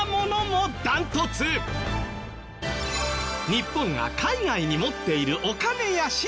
日本が海外に持っているお金や資産